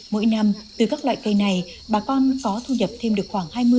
mỗi năm từ các loại cây này bà con có thu nhập thêm được khoảng hai mươi